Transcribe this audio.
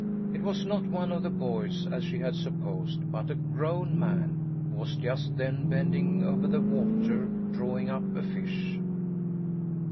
It was not one of the boys, as she had supposed, but a grown man, who was just then bending over the water, drawing up a fish.